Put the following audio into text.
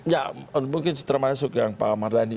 ya mungkin termasuk yang pak mardhani